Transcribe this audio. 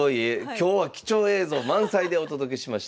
今日は貴重映像満載でお届けしました。